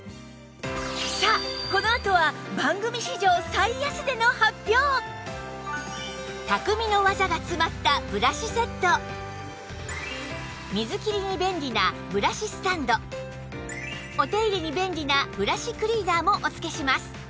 さあこのあとは匠の技が詰まったブラシセット水切りに便利なブラシスタンドお手入れに便利なブラシクリーナーもお付けします